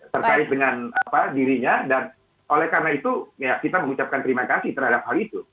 terkait dengan dirinya dan oleh karena itu ya kita mengucapkan terima kasih terhadap hal itu